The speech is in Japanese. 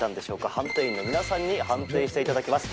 判定員の皆さんに判定して頂きます。